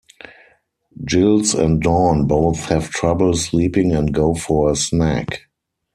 Giles and Dawn both have trouble sleeping and go for a snack.